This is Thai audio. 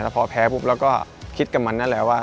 แต่พอแพ้ปุ๊บเราก็คิดกับมันนั่นแหละว่า